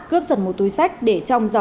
cướp giật một túi sách để trong giấy